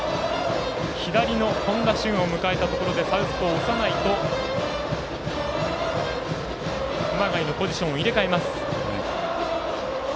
左の本多駿を迎えたところでサウスポー長内と熊谷のポジションを入れ替えます。